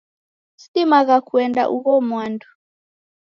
Sidimagha kuenda ugho mwandu.